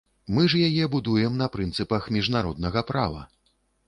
Мы ж яе будуем на прынцыпах міжнароднага права.